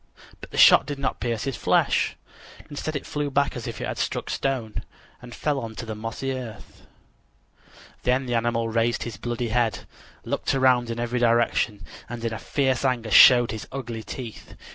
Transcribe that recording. But the shot did not pierce his flesh; instead it flew back as if it had struck stone, and fell on the mossy earth. Then the animal raised his bloody head; looked around in every direction, and in fierce anger showed his ugly teeth.